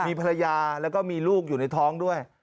มีภรรยาแล้วก็มีลูกอยู่ในท้องด้วย